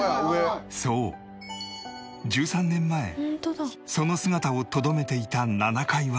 そう１３年前その姿をとどめていた７階は